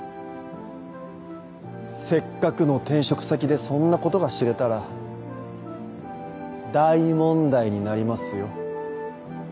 せっかくの転職先でそんなことが知れたら大問題になりますよ。